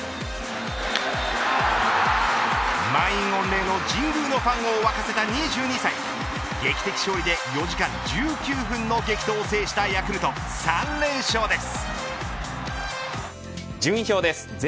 満員御礼の神宮のファンを沸かせた２２歳劇的勝利で４時間１９分の激闘を制したヤクルト３連勝です。